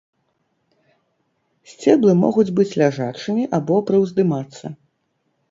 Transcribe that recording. Сцеблы могуць быць ляжачымі або прыўздымацца.